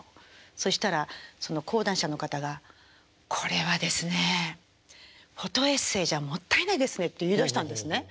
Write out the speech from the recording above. そしたら講談社の方が「これはですねえフォトエッセーじゃもったいないですね」って言いだしたんですね。